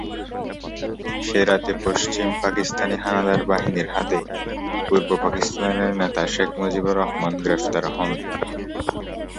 সে রাতে পশ্চিম পাকিস্তানি হানাদার বাহিনীর হাতে পূর্ব পাকিস্তানের নেতা শেখ মুজিবুর রহমান গ্রেফতার হন।